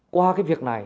qua cái việc này